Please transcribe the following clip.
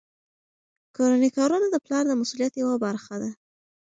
کورني کارونه د پلار د مسؤلیت یوه برخه ده.